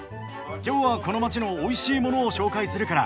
今日はこの街のおいしいものを紹介するからついてきて！